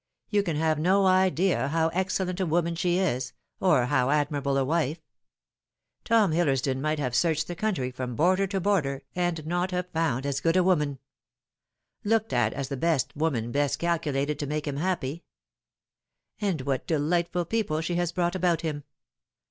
You can have no idea how excellent a woman she is, or how admirable a wife. Tom Hillersdon might have searched the county from border to border, and not have found as good a woman looked at as the woman best calculated to make him happy. And what delightful people she has brought about him